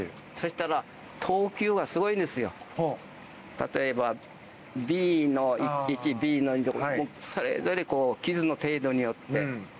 例えばＢの１とか２とかそれぞれ傷の程度によって。